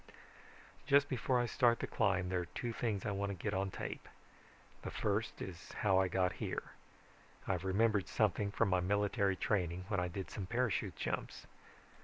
"Just before I start the climb there are two things I want to get on tape. The first is how I got here. I've remembered something from my military training, when I did some parachute jumps.